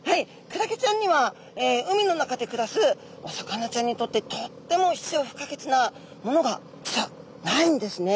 クラゲちゃんには海の中で暮らすお魚ちゃんにとってとっても必要不可欠なものが実はないんですね。